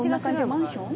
マンション？